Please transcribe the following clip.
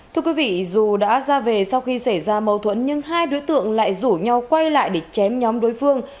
thưa quý vị dù đã ra về sau khi xảy ra mâu thuẫn nhưng hai đối tượng lại rủ nhau quay lại để chém nhóm đối phương